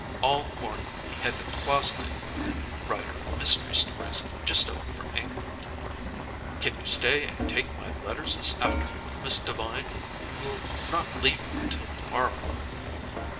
All the morning he had been closeted with a new writer of mystery stories just over from England. "Can you stay and take my letters this afternoon, Miss Devine? You 're not leaving until to morrow."